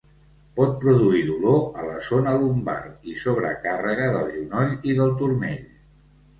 Pot produir dolor a la zona lumbar i sobrecàrrega del genoll i del turmell.